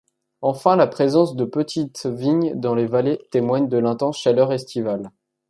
Enfin la présence de petites vignes dans les vallées témoigne de l'intense chaleur estivale.